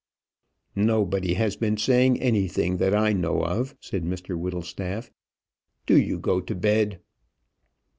"Nobody has been saying anything that I know of," said Mr Whittlestaff. "Do you go to bed."